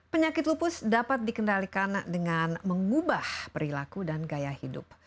penyakit lupus dapat dikendalikan dengan mengubah perilaku dan gaya hidup